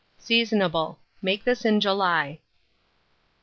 Seasonable. Make this in July.